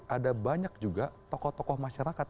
ada banyak juga tokoh tokoh masyarakat